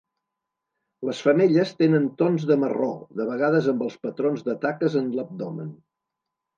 Les femelles tenen tons de marró, de vegades amb els patrons de taques en l'abdomen.